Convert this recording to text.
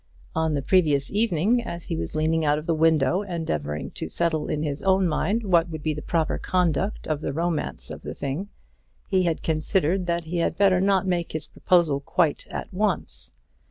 On the previous evening, as he was leaning out of the window endeavouring to settle in his own mind what would be the proper conduct of the romance of the thing, he had considered that he had better not make his proposal quite at once.